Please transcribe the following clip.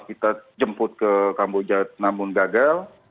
kita jemput ke kamboja namun gagal